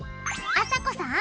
あさこさん！